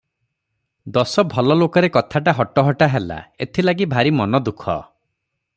ଦଶ ଭଲଲୋକରେ କଥାଟା ହଟହଟା ହେଲା, ଏଥିଲାଗି ଭାରି ମନ ଦୁଃଖ ।